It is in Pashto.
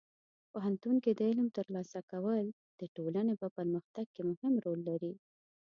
پوهنتون کې د علم ترلاسه کول د ټولنې په پرمختګ کې مهم رول لري.